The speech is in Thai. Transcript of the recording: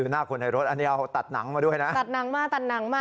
น่ากลี่รถอันเนี่ยมันตัดหนังมาด้วยตัดหนังมาตัดหนังมา